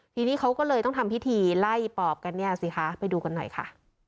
ทีนี้เขาก็เลยต้องทำพิธีไล่ปอบกันเนี่ยสิคะไปดูกันหน่อยค่ะ